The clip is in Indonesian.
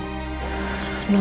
udah lah no